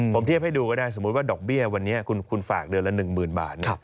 ผมเทียบให้ดูก็ได้สมมุติว่าดอกเบี้ยวันนี้คุณฝากเดือนละ๑๐๐๐บาท